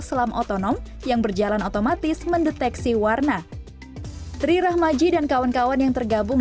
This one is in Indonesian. selam otonom yang berjalan otomatis mendeteksi warna tri rahmaji dan kawan kawan yang tergabung